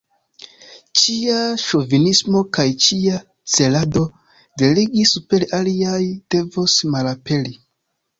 Ĉia ŝovinismo kaj ĉia celado de regi super aliaj, devos malaperi.